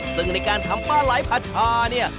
ซึ่งในการทำปลาไหลผัดชาเนี่ย